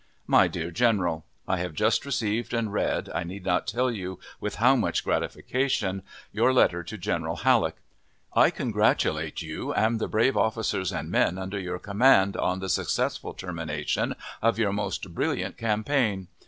My DEAR GENERAL: I have just received and read, I need not tell you with how mush gratification, your letter to General Halleck. I congratulate you and the brave officers and men under your command on the successful termination of your most brilliant campaign.